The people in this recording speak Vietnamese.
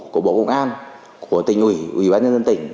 của bộ công an của tỉnh ủy ủy ban nhân dân tỉnh